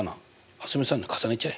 蒼澄さんのに重ねちゃえ。